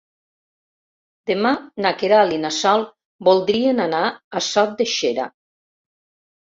Demà na Queralt i na Sol voldrien anar a Sot de Xera.